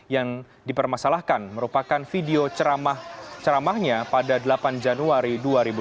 yang dipermasalahkan merupakan video ceramahnya pada delapan januari dua ribu tujuh belas